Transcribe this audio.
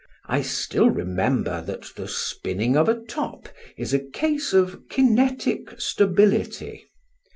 I still remember that the spinning of a top is a case of Kinetic Stability.